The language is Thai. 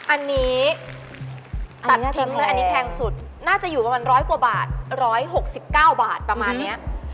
อันนี้ตัดทิ้งเลยอันนี้แพงสุดน่าจะอยู่ประมาณ๑๐๐กว่าบาท๑๖๙บาทประมาณนี้